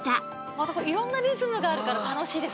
また色んなリズムがあるから楽しいですね。